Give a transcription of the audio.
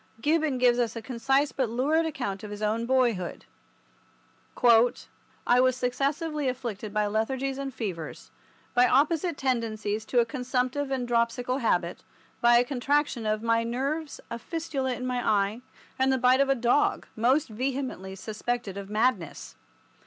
Gibbon gives us a concise but lurid account of his own boyhood. "I was successively afflicted by lethargies and fevers, by opposite tendencies to a consumptive and dropsical habit, by a contraction of my nerves, a fistula in my eye, and the bite of a dog, most vehemently suspected of madness.